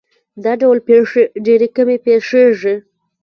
دا ډول پېښې ډېرې کمې پېښېږي.